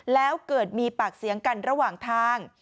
แล้วเกิดมีปากเสียงกันระหว่างทาง